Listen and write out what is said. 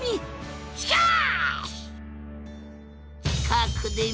しかし！